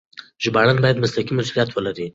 ژباړن بايد مسلکي مسؤليت ولري.